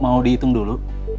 mau dihitung dulu